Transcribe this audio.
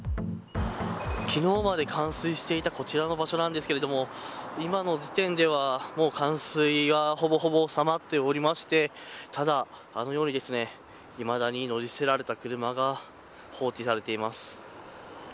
昨日まで冠水していたこちらの場所なんですけれども今の時点では冠水は、ほぼほぼ収まっておりましてただ、あのようにいまだに乗り捨てられた車が放置されています。